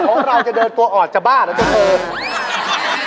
ถ้าเราจะเดินตัวอ่อนจะบ้านะทุกคน